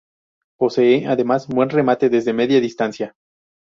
Posee además buen remate desde media distancia.